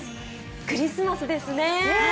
クリスマスですね。